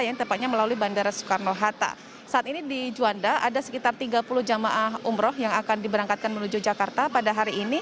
yang tepatnya jawa timur